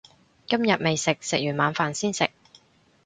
今日未食，食完晚飯先食